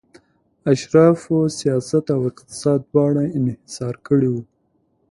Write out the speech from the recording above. اشرافو سیاست او اقتصاد دواړه انحصار کړي وو